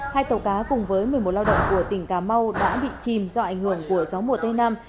hai tàu cá cùng với một mươi một lao động của tỉnh cà mau đã bị chìm do ảnh hưởng của gió mùa tây nam